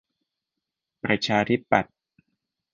ประชาธิปัตย์